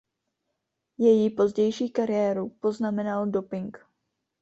Její pozdější kariéru poznamenal doping.